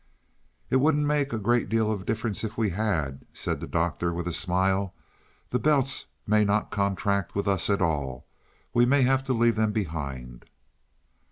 "It wouldn't make a great deal of difference if we had," said the Doctor, with a smile. "The belts may not contract with us at all; we may have to leave them behind."